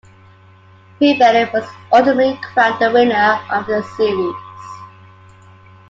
Pete Bennett was ultimately crowned the winner of the series.